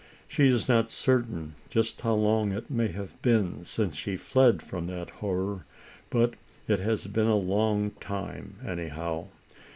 She is not certain just how long it may have been since she fled from that hor ror, but it has been a long time, anyhow.